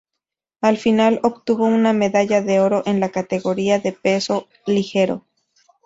Al final obtuvo una medalla de oro en la categoría de peso ligero.